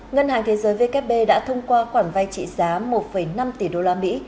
ngân hàng thế giới vkp đã thông qua quản vay trị giá một năm tỷ usd